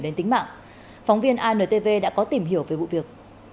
đến tính mạng phóng viên intv đã có tìm hiểu về vụ việc